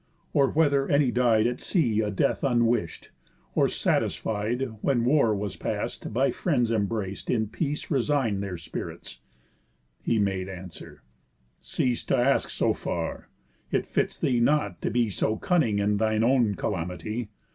Or whether any died At sea a death unwish'd? Or, satisfied, When war was past, by friends embrac'd, in peace Resign'd their spirits? He made answer: 'Cease To ask so far. It fits thee not to be So cunning in thine own calamity.